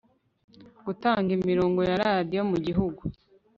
gutanga imirongo ya radiyo mu gihugu